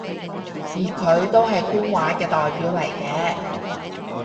而佢都係官話嘅代表嚟嘅